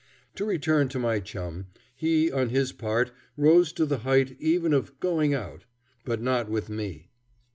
To return to my chum; he, on his part, rose to the height even of "going out," but not with me.